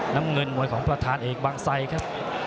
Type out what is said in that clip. น้ำเงินมวยของประธานเอกบางไซครับ